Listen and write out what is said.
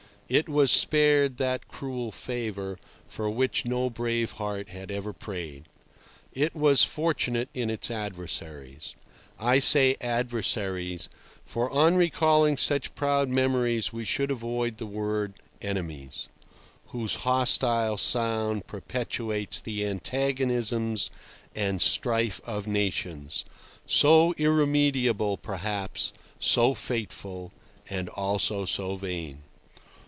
It was spared that cruel favour, for which no brave heart had ever prayed. It was fortunate in its adversaries. I say adversaries, for on recalling such proud memories we should avoid the word "enemies," whose hostile sound perpetuates the antagonisms and strife of nations, so irremediable perhaps, so fateful—and also so vain.